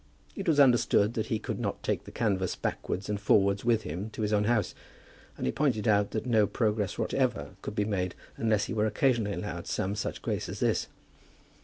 It was understood that he could not take the canvas backwards and forwards with him to his own house, and he pointed out that no progress whatever could be made, unless he were occasionally allowed some such grace as this.